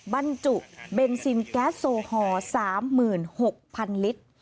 บรรจุเบนซินแก๊สโซฮอร์สามหมื่นหกพันลิตร